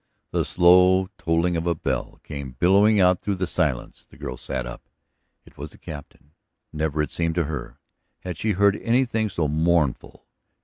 The slow tolling of a bell came billowing out through the silence. The girl sat up. It was the Captain. Never, it seemed to her, had she heard anything so mournful.